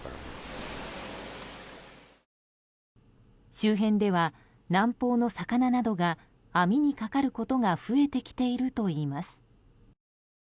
周辺では南方の魚などが網にかかることが増えてきているといいます。